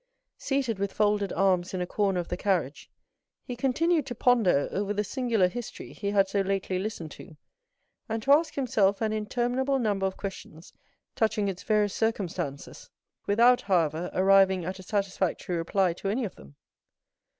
Seated with folded arms in a corner of the carriage, he continued to ponder over the singular history he had so lately listened to, and to ask himself an interminable number of questions touching its various circumstances without, however, arriving at a satisfactory reply to any of them.